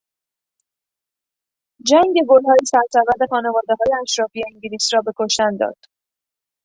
جنگ گلهای سرسبد خانوادههای اشرافی انگلیس را به کشتن داد.